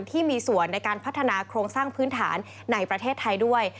ที่มีส่วนในการพัฒนาโครงสร้างพื้นฐานในประเทศไทยด้วย